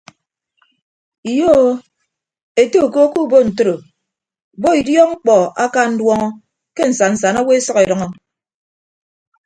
Iyo o ete uko kuubo ntoro bo idiọk mkpọ aka nduọñọ ke nsan nsan awo esʌk edʌñọ.